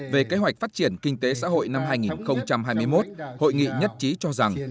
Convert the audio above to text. về kế hoạch phát triển kinh tế xã hội năm hai nghìn hai mươi một hội nghị nhất trí cho rằng